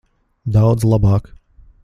Daudz labāk.